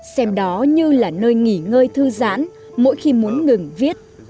xem đó như là nơi nghỉ ngơi thư giãn mỗi khi muốn ngừng viết